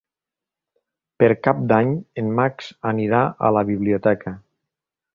Per Cap d'Any en Max anirà a la biblioteca.